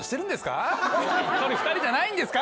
１人２人じゃないんですか？